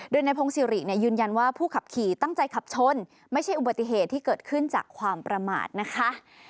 โดยในพงศิริเนี่ยยืนยันว่าผู้ขับขี่ตั้งใจขับชนไม่ใช่อุบัติเหตุที่เกิดขึ้นจากความประมาทนะคะ